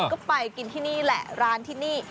ก็ไปกินที่นี่แหละร้านที่นี่